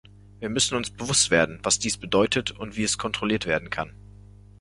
Wir müssen uns bewusst werden, was dies bedeutet und wie es kontrolliert werden kann.